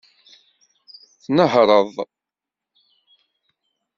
Tnehṛeḍ.